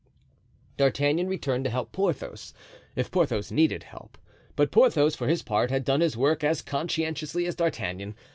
D'Artagnan returned to help Porthos, if Porthos needed help; but Porthos, for his part, had done his work as conscientiously as D'Artagnan.